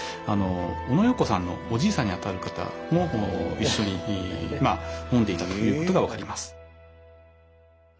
オノ・ヨーコさんのおじいさんにあたる方も一緒にまあ飲んでいたということが分かります。